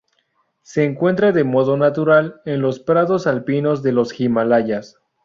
Se encuentra de modo natural en los prados alpinos de los Himalayas.